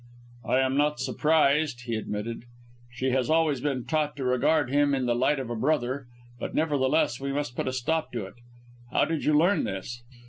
"I am not surprised," he admitted; "she has always been taught to regard him in the light of a brother. But nevertheless we must put a stop to it. How did you learn this?"